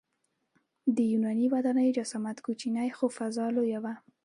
د یوناني ودانیو جسامت کوچنی خو فضا لویه وه.